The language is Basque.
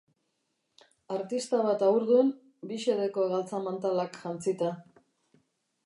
Artista bat haurdun, bi xedeko galtza-mantalak jantzita.